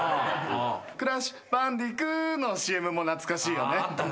「クラッシュ・バンディクー」のＣＭも懐かしいよね。